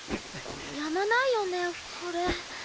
やまないよねこれ。